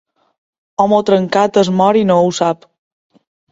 Home trencat es mor i no ho sap.